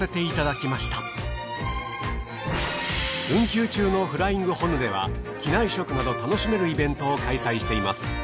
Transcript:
運休中のフライングホヌでは機内食など楽しめるイベントを開催しています。